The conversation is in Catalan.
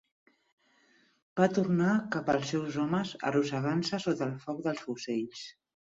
Va tornar cap als seus homes arrossegant-se sota el foc dels fusells.